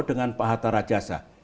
dan pak hatta rajasa